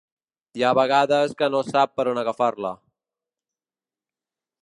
Hi ha vegades que no sap per on agafar-la.